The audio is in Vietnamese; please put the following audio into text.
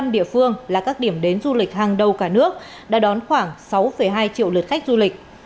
năm địa phương là các điểm đến du lịch hàng đầu cả nước đã đón khoảng sáu hai triệu lượt khách du lịch